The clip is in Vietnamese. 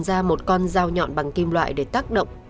trải lấy ra một con dao nhọn bằng kim loại để tác động